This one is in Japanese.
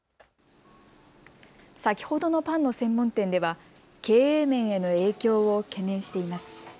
先ほどのパンの専門店では経営面への影響を懸念しています。